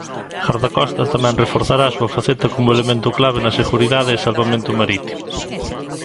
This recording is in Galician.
Gardacostas tamén reforzará a súa faceta como elemento clave na seguridade e salvamento marítimo.